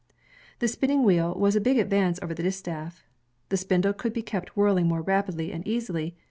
The spinning wheel was a big advance over the distaff. The spindle could be kept whirling more rapidly and easily.